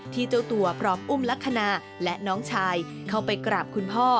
เจ้าตัวพร้อมอุ้มลักษณะและน้องชายเข้าไปกราบคุณพ่อ